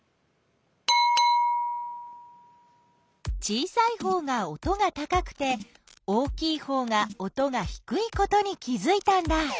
小さいほうが音が高くて大きいほうが音がひくいことに気づいたんだ。